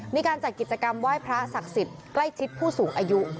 มีการจัดกิจกรรมไหว้พระศักดิ์สิทธิ์ใกล้ชิดผู้สูงอายุ